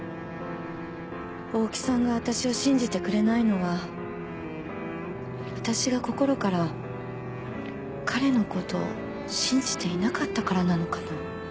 大木さんが私を信じてくれないのは私が心から彼のことを信じていなかったからなのかな。